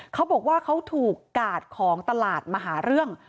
เขาบอกว่าเขาถูกกาดของตลาดมาหาเรื่อง